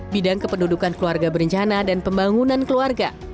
bidang kependudukan keluarga berencana dan pembangunan keluarga